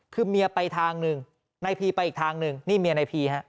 คือเมียไปทางหนึ่งในพีไปอีกทางหนึ่งนี่เมียนายพีฮะ